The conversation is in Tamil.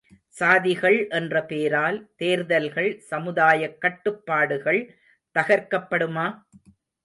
சாதிகள் என்ற பேரால் தேர்தல்கள் சமுதயாக் கட்டுப்பாடுகள் தகர்க்கப்படுமா?